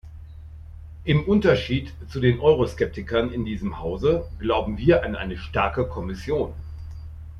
Im Unterschied zu den Euroskeptikern in diesem Hause glauben wir an eine starke Kommission.